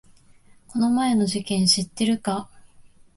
この前の事件知ってるか？